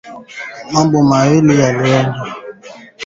Tumika na imani Mungu atakusaidia